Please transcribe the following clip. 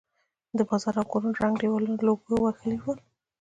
د بازار او کورونو ړنګ دېوالونه لوګو وهلي ول.